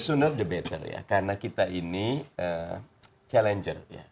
untuk yang terbaik karena kita ini challenger